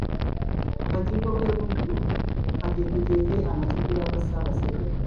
Akakiiko k’e Buddu kateekateeka amatikkira ga Ssaabasajja Kabaka.